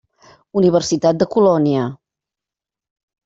Universitat de Colònia.